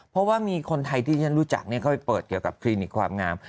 เพราะว่ามีคนไทยที่ฉันรู้จักเข้าไปเปิดเกี่ยวกับคลินิกความงาม